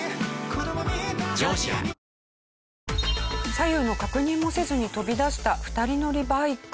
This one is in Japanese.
左右の確認もせずに飛び出した２人乗りバイク。